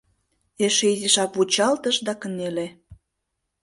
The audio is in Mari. Эше изишак вучалтыш да кынеле.